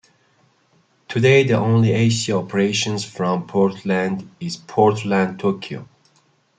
Today, the only Asia operations from Portland is Portland-Tokyo.